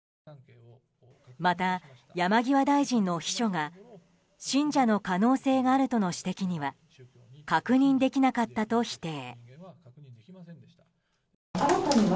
また、山際大臣の秘書が信者の可能性があるとの指摘には確認できなかったと否定。